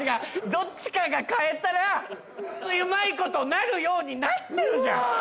どっちかが変えたらうまいことなるようになってるじゃん。